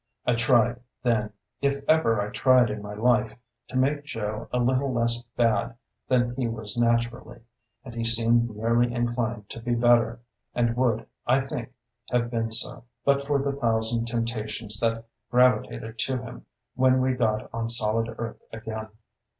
I tried then, if ever I tried in my life, to make Joe a little less bad than he was naturally, and he seemed nearly inclined to be better, and would, I think, have been so, but for the thousand temptations that gravitated to him when we got on solid earth again.